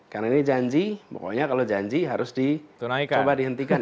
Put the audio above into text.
karena ini janji pokoknya kalau janji harus dicoba dihentikan